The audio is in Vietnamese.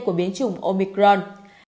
của biến chủng omicron